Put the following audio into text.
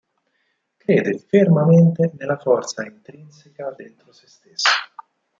Crede fermamente nella forza intrinseca dentro se stessi.